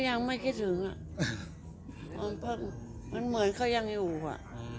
ยังไม่คิดถึงอ่ะมันก็เหมือนเขายังอยู่อ่ะ